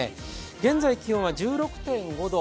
現在の気温は１６．５度。